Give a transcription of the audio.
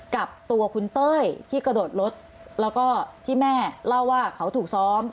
กับตัวคุณเต้ยที่กระโดดรถแล้วก็ที่แม่เล่าว่าเขาถูกซ้อม